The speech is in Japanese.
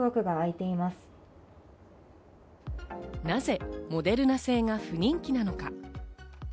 なぜ、モデルナ製が不人気なのか？